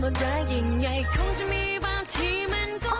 โอ๊ยยยน้องเขิม